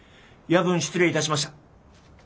夜分失礼いたしました。